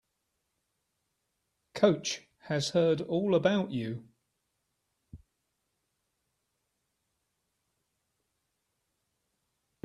Coach has heard all about you.